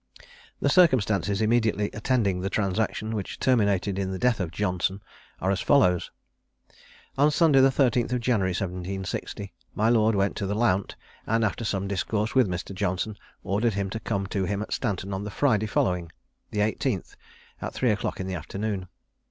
The circumstances immediately attending the transaction, which terminated in the death of Johnson, are as follow: On Sunday the 13th of January 1760, my lord went to the Lount, and after some discourse with Mr. Johnson, ordered him to come to him at Stanton on the Friday following, the 18th, at three o'clock in the afternoon.